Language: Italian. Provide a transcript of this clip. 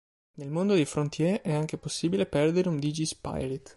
Nel mondo di "Frontier" è anche possibile perdere un Digispirit.